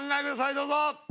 どうぞ。